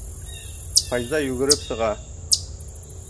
Файза йүгереп сыға.